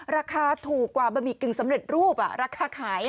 ราคาถูกกว่าบะหมี่กึ่งสำเร็จรูปราคาขาย